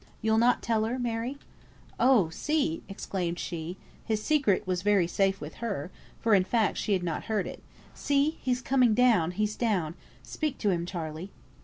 You'll not tell her, Mary?" "Oh, see!" exclaimed she (his secret was very safe with her, for, in fact, she had not heard it). "See! he's coming down; he's down. Speak to him, Charley."